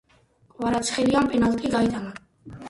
კვარაცხელიამ პენალტი გაიტანა.